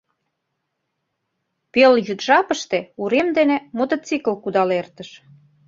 Пелйӱд жапыште урем дене мотоцикл кудал эртыш.